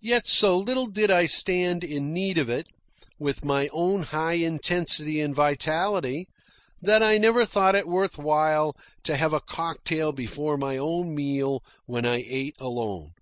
Yet so little did I stand in need of it, with my own high intensity and vitality, that I never thought it worth while to have a cocktail before my own meal when I ate alone.